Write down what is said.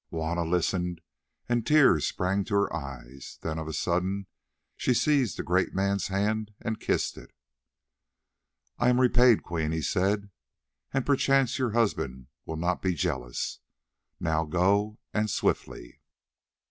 Juanna listened, and tears sprang to her eyes; then of a sudden she seized the great man's hand and kissed it. "I am repaid, Queen," he said, "and perchance your husband will not be jealous. Now go, and swiftly."